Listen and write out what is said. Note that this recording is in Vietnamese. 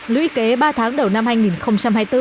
lũy kế ba tháng đầu năm hai nghìn hai mươi bốn